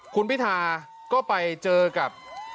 คุณพิธาก็ไปเจอกับ